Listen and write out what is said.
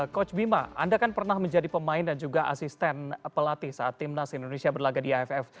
coach bima anda kan pernah menjadi pemain dan juga asisten pelatih saat timnas indonesia berlagak di aff